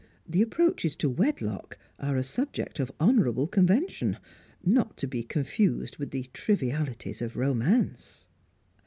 The approaches to wedlock are a subject of honourable convention, not to be confused with the trivialities of romance.